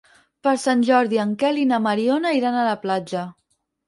Per Sant Jordi en Quel i na Mariona iran a la platja.